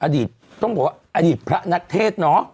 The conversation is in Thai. อดีตต้องบอกว่าอดีตพระนักเทศ